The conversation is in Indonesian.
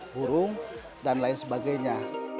hukum dan lain sebagainya